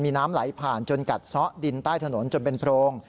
มีน้ำไหลผ่านจนกัดซ้อดินใต้ถนนจนเป็นโพรง